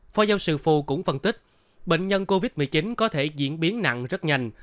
phó giáo sư phù cũng phân tích bệnh nhân covid một mươi chín có thể diễn biến nặng rất nhanh